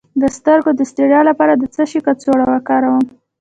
د سترګو د ستړیا لپاره د څه شي کڅوړه وکاروم؟